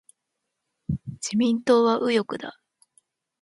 自民党は右翼だ。